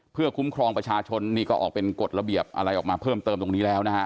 เพื่อคุ้มครองประชาชนนี่ก็ออกเป็นกฎระเบียบอะไรออกมาเพิ่มเติมตรงนี้แล้วนะฮะ